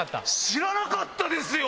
知らなかったですよ！